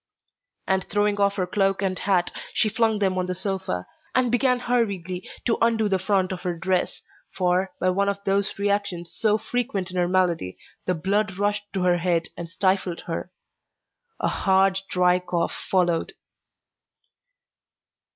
And throwing off her cloak and hat, she flung them on the sofa, and began hurriedly to undo the front of her dress, for, by one of those reactions so frequent in her malady, the blood rushed to her head and stifled her. A hard, dry cough followed.